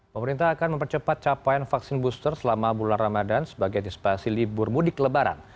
pemerintah akan mempercepat capaian vaksin booster selama bulan ramadan sebagai antisipasi libur mudik lebaran